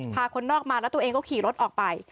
คนนอกมาแล้วตัวเองก็ขี่รถออกไป